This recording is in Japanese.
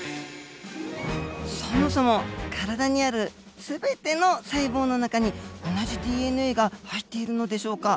そもそも体にある全ての細胞の中に同じＤＮＡが入っているのでしょうか。